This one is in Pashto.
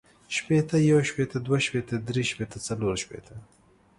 شپیته، یو شپیته، دوه شپیته، درې شپیته، څلور شپیته